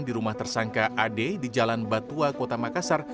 di rumah tersangka ad di jalan batua kota makassar